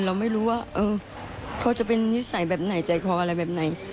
เราไม่รู้ว่าเขาจะเป็นนิสัยแบบไหนใจคออะไรแบบไหน